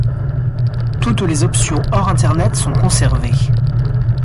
Toutes les options hors-internet sont conservées.